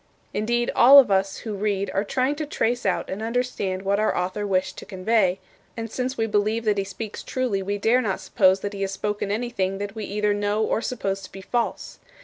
Indeed, all of us who read are trying to trace out and understand what our author wished to convey; and since we believe that he speaks truly we dare not suppose that he has spoken anything that we either know or suppose to be false.